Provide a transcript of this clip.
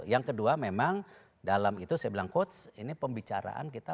yang kedua memang dalam itu saya bilang coach ini pembicaraan kita